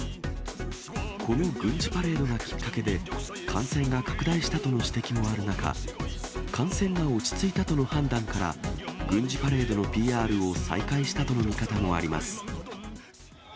この軍事パレードがきっかけで、感染が拡大したとの指摘もある中、感染が落ち着いたとの判断から、軍事パレードのＰＲを再開したとの見方もあります。